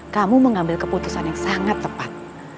kamu mengambil keputusan yang sangat tepat